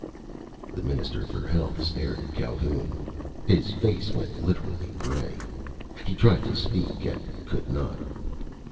The Minister for Health stared at Calhoun. His face went literally gray. He tried to speak, and could not.